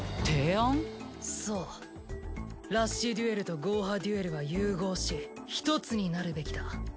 そうラッシュデュエルとゴーハデュエルは融合し一つになるべきだ。